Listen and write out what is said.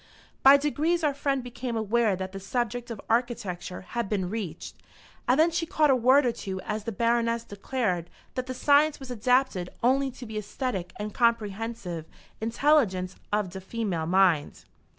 By degrees our friend became aware that the subject of architecture had been reached, and then she caught a word or two as the Baroness declared that the science was "adaapted only to de æstetic and comprehensive intelligence of de famale mind."